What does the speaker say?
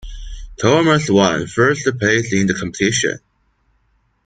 Thomas one first place in the competition.